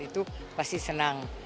itu pasti senang